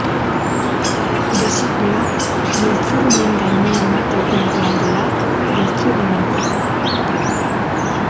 Besikula, giltzurrunen gainean dauden glandulak, giltzurrunak.